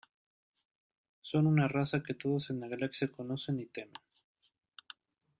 Son una raza que todos en la galaxia conocen y temen.